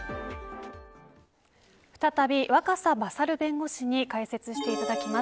再び、若狭勝弁護士に解説していただきます。